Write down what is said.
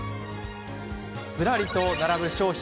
ずらりと並ぶ商品。